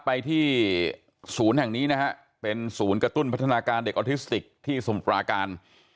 ไปที่ศูนย์แห่งนี้นะฮะเป็นศูนย์กระตุ้นพัฒนาการเด็กออทิสติกที่สมุทราการ